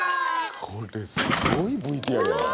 これすごいＶＴＲやな。